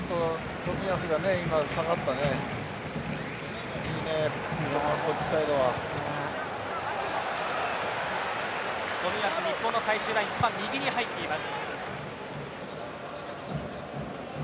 冨安、日本の最終ライン一番右に入っています。